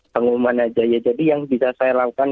pengumuman saja jadi yang bisa saya lakukan